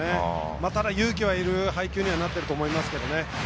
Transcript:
ただ勇気がいる配球にはなると思いますけどね。